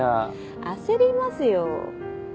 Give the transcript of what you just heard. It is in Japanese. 焦りますよ。